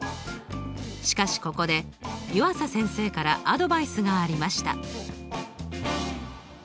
しかしここで湯浅先生からアドバイスがありました。